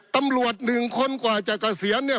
ตำรวจหนึ่งคนกว่าจะเกษียณเนี่ย